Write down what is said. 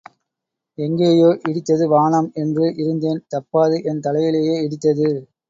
எங்கேயோ இடித்தது வானம் என்று இருந்தேன் தப்பாது என் தலையிலேயே இடித்தது.